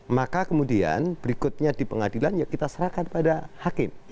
maka kemudian berikutnya di pengadilan ya kita serahkan pada hakim